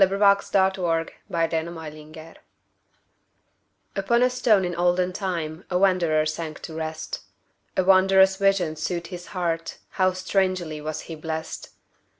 Isaacs Pillow and Stone UPON a stone in olden timeA wanderer sank to rest.A wondrous vision soothed his heartHow strangely was he blessed!